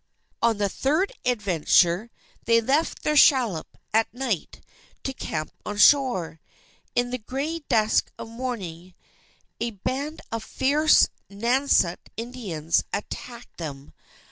On the third adventure, they left their shallop, at night, to camp on shore. In the gray dusk of morning, a band of fierce Nauset Indians attacked them.